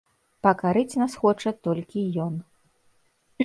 Пакарыць нас хоча толькі ён.